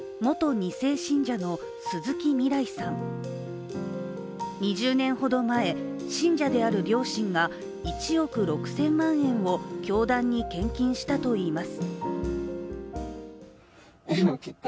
２０年ほど前、信者である両親が１億６０００万円を教団に献金したといいます。